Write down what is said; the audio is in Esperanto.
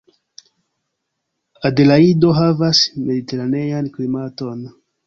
Adelajdo havas mediteranean klimaton.